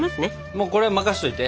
もうこれはもう任しといて。